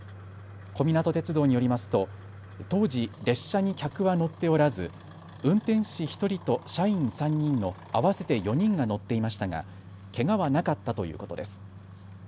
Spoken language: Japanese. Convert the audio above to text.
小湊鐵道によりますと当時、列車に客は乗っておらず、運転士１人と社員３人の合わせて４人が乗っていましたがけがはなかったということです。